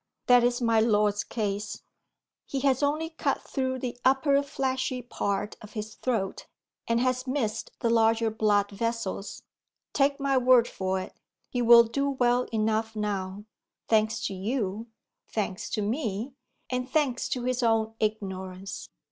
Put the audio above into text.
That is my lord's case. He has only cut through the upper fleshy part of his throat, and has missed the larger blood vessels. Take my word for it, he will do well enough now; thanks to you, thanks to me, and thanks to his own ignorance.